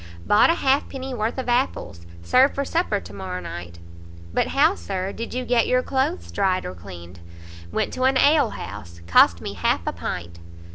"Bought a halfpenny worth of apples. Serve for supper to morrow night." "But how, Sir, did you get your cloaths dried, or cleaned?" "Went to an alehouse; cost me half a pint."